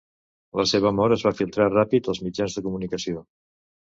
La seva mort es va filtrar ràpid als mitjans de comunicació.